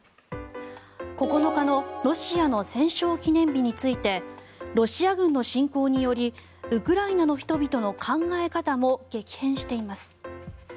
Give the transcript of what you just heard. ９日のロシアの戦勝記念日についてロシア軍の侵攻によりウクライナの人々の考え方も激変しています。